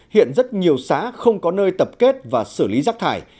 hiện rất nhiều xã không có nơi tập kết và xử lý rác thải